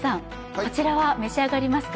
こちらは召し上がりますか？